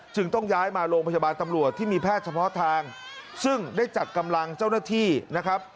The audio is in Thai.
ต้องย้ายมาโรงพยาบาลตำรวจที่มีแพทย์เฉพาะทางซึ่งได้จัดกำลังเจ้าหน้าที่นะครับ